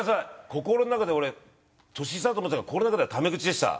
心の中では俺年下だと思ってたから心の中ではタメ口でした。